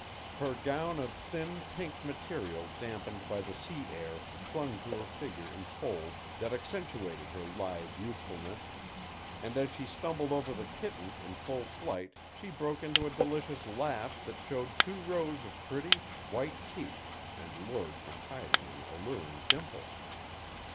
Her gown of thin pink material dampened by the sea air clung to her figure in folds that accentuated her lithe youthfulness, and as she stumbled over the kitten in full flight she broke into a delicious laugh that showed two rows of pretty, white teeth and lured from hiding an alluring dimple.